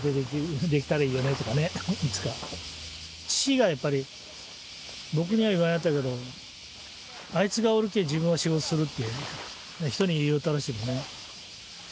父がやっぱり僕には言わんやったけど「あいつがおるけ自分は仕事する」って人に言いよったらしいもんね。